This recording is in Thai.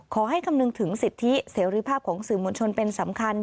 คำนึงถึงสิทธิเสรีภาพของสื่อมวลชนเป็นสำคัญ